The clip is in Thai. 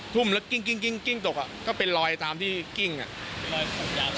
ทุ่มแล้วกิ้งตกก็เป็นรอยตามที่กิ้งอ่ะ